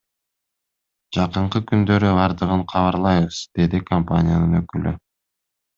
Жакынкы күндөрү бардыгын кабарлайбыз, — деди компаниянын өкүлү.